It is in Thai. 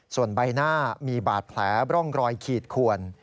ส่วนใบหน้ามีบาดแผลร่องรอยขีดขวน